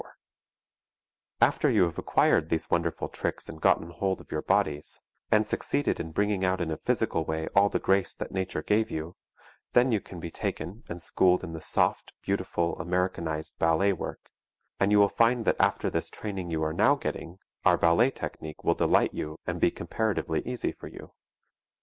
After you have acquired these wonderful tricks and gotten hold of your bodies, and succeeded in bringing out in a physical way all the grace that nature gave you, then you can be taken and schooled in the soft, beautiful Americanized ballet work, and you will find that after this training you are now getting, our ballet technique will delight you and be comparatively easy for you.